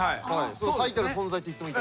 最たる存在といってもいい。